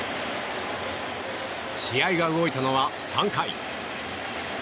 試合が動いたのは３回。